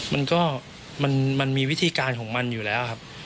มันมีวิธีการของมันอยู่แล้วครับ